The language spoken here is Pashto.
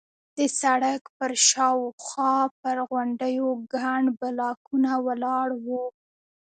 د سړک پر شاوخوا پر غونډیو ګڼ بلاکونه ولاړ وو.